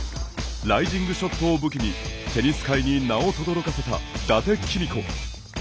ライジングショットを武器にテニス界に名をとどろかせた伊達公子。